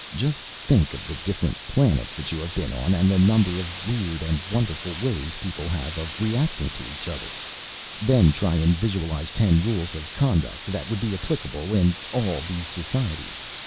Just think of the different planets that you have been on and the number of weird and wonderful ways people have of reacting to each other then try and visualize ten rules of conduct that would be applicable in all these societies.